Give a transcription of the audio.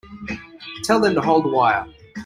Tell them to hold the wire.